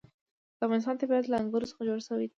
د افغانستان طبیعت له انګور څخه جوړ شوی دی.